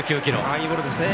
いいボールですね。